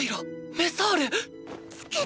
メサール！